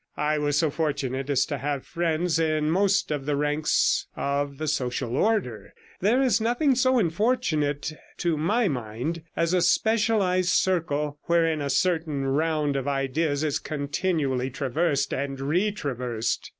I was so fortunate as to have friends in most of the ranks of the social order; there is nothing so unfortunate, to my mind, as a specialised circle, wherein a certain round of ideas is continually traversed and retraversed.